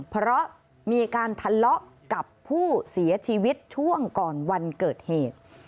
เพราะมีการทะเลาะกับผู้เสียชีวิตช่วงก่อนวันเกิดเหตุ